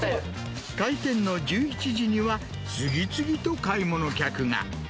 開店の１１時には、次々と買い物客が。